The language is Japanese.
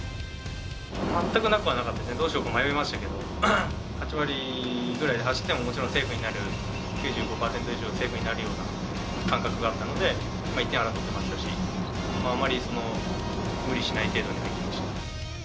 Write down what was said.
全くなくはなかったので、どうしようか迷いましたけど、８割ぐらいで走ってももちろんセーフになる、９５％以上セーフになるような感覚があったので、１点を争ってましたし、あんまり無理しない程度にいきました。